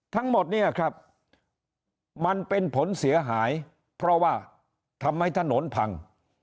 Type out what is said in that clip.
ทั้งหมดเนี่ยครับมันเป็นผลเสียหายเพราะว่าทำให้ถนนพัง